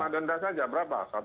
denda saja berapa